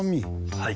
はい。